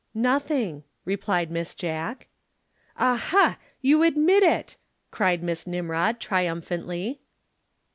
"Nothing," replied Miss Jack. "Aha! You admit it!" cried Miss Nimrod triumphantly.